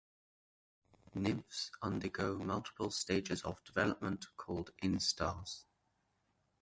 Nymphs undergo multiple stages of development called instars.